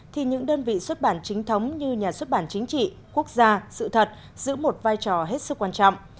thì những đơn vị xuất bản chính thống như nhà xuất bản chính trị quốc gia sự thật giữ một vai trò hết sức quan trọng